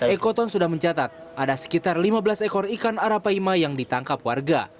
ekoton sudah mencatat ada sekitar lima belas ekor ikan arapaima yang ditangkap warga